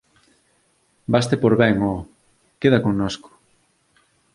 Vaste pór ben, ho! Queda connosco!